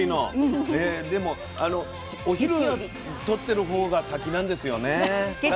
でもお昼とってる方が先なんですよね。